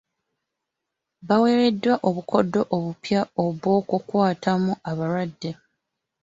Baweereddwa obukodyo obupya obw'okukwatamu abalwadde.